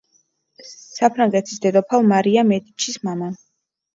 საფრანგეთის დედოფალ მარია მედიჩის მამა.